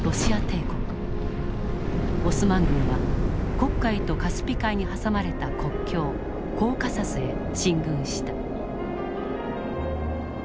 オスマン軍は黒海とカスピ海に挟まれた国境コーカサスへ進軍した。